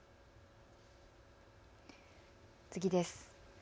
次です。